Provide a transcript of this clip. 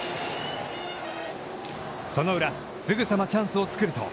その裏、すぐさまチャンスを作ると。